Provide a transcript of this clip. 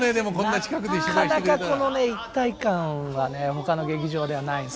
なかなかこのね一体感はねほかの劇場ではないですね。